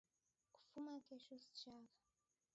Kufuma kesho sichagha